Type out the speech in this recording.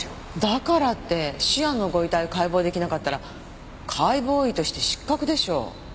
だからってシアンのご遺体を解剖出来なかったら解剖医として失格でしょ。